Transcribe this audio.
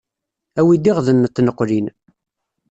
Awi-d iɣden n tneqlin.